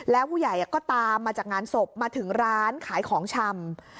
แล้วผู้ใหญ่ก็ตามมาจากงานศพมาถึงร้านขายของชำ